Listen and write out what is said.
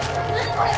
これ！